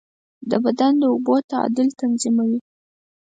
د بدن د اوبو تعادل تنظیموي.